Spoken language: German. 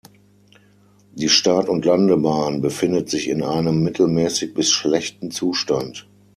Die Start- und Landebahn befindet sich in einem mittelmäßig bis schlechten Zustand.